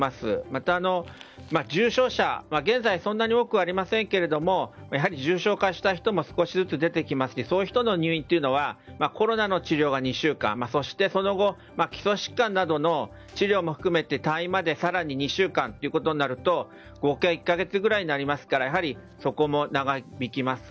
また重症者、現在はそんなに多くはありませんがやはり重症化した人も少しずつ出てきますしそういう人の入院はコロナの治療が２週間そしてその後基礎疾患などの治療も含めて退院まで更に２週間となると合計１か月くらいになりますからそこも長引きます。